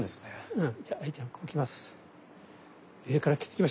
うん。